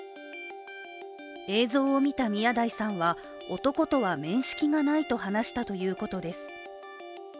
映像を見た宮台さんは男とは面識がないと話したということです。